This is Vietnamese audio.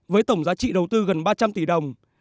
với tổng giá trị đầu tư gần ba trăm linh tỷ đồng